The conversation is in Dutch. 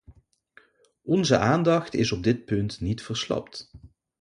Onze aandacht is op dit punt niet verslapt.